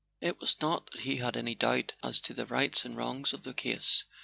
It was not that he had any doubt as to the rights and wrongs of the case.